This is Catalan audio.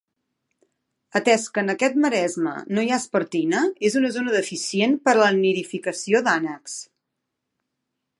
Atès que en aquest maresme no hi ha espartina, és una zona deficient per a la nidificació d'ànecs.